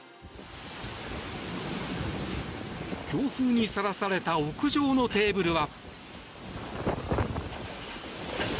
強風にさらされた屋上のテーブルは。